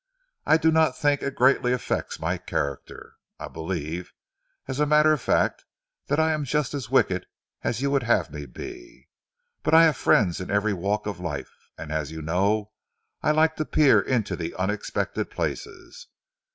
"I do not think it greatly affects my character. I believe, as a matter of fact, that I am just as wicked as you would have me be, but I have friends in every walk of life, and, as you know, I like to peer into the unexpected places.